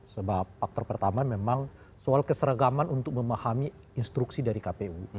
sebab faktor pertama memang soal keseragaman untuk memahami instruksi dari kpu